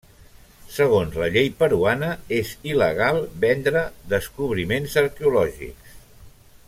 Segons la llei peruana, és il·legal vendre descobriments arqueològics.